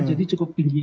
jadi cukup tinggi